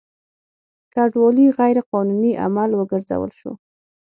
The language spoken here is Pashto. کډوالي غیر قانوني عمل وګرځول شو.